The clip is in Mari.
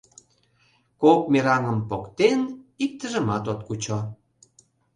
Кок мераҥым поктен, иктыжымат от кучо.